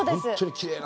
きれいな。